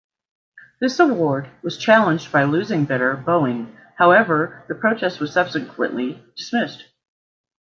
This award was challenged by losing bidder Boeing; however, the protest was subsequently dismissed.